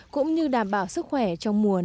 cũng như đảm bảo sức khỏe trong mùa xuân